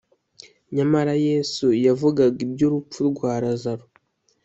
Nyamara yesu yavugaga iby urupfu rwa lazaro